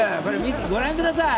ご覧ください。